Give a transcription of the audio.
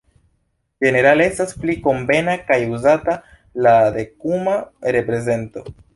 Ĝenerale estas pli konvena kaj uzata la dekuma reprezento.